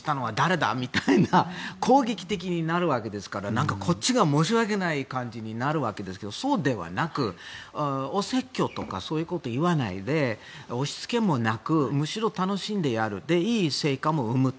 この環境にしたのは誰だみたいな攻撃的になるわけですからこっちが申し訳ない感じになるんですがそうではなく、お説教とかそういうことを言わないで押しつけもなくむしろ楽しんでやるで、いい成果も生むと。